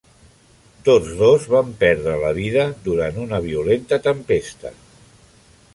Tots dos van perdre la vida durant una violenta tempesta.